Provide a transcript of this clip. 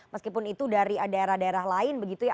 meskipun itu dari daerah daerah lain begitu ya